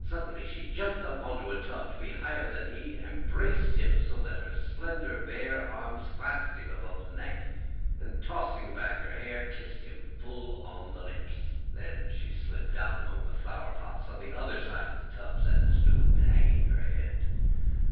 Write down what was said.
Suddenly she jumped up onto a tub to be higher than he, embraced him so that both her slender bare arms clasped him above his neck, and, tossing back her hair, kissed him full on the lips. Then she slipped down among the flowerpots on the other side of the tubs and stood, hanging her head.